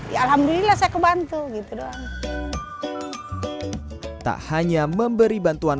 ya alhamdulillah saya kebantu gitu doang